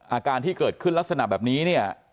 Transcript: อาการที่เกิดขึ้นลักษณะแบบนี้เนี่ย